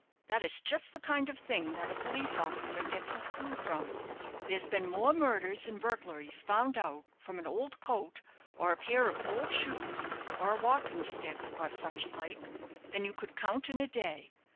That is just the kind of thing that a police officer gets his clue from. There's been more murders and burglaries found out from an old coat, or a pair of old shoes, or a walking stick, or such like, than you could count in a day.